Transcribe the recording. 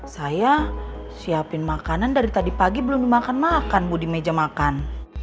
saya siapin makanan dari tadi pagi belum dimakan makan bu di meja makan